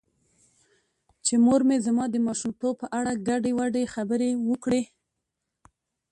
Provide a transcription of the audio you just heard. چې مور مې زما د ماشومتوب په اړه ګډې وګډې خبرې وکړې .